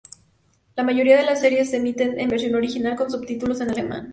La mayoría de las series se emiten en versión original con subtítulos en Alemán.